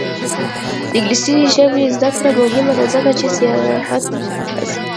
د انګلیسي ژبې زده کړه مهمه ده ځکه چې سیاحت هڅوي.